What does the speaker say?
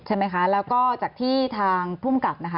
ใช่ไหมคะแล้วก็จากที่ทางภูมิกับนะคะ